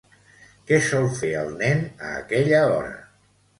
Què sol fer el nen a aquella hora?